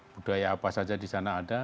budaya apa saja di sana ada